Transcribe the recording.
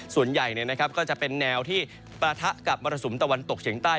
ส่วนใหญ่ก็จะเป็นแนวที่ปะทะกับมรสุมตะวันตกเฉียงใต้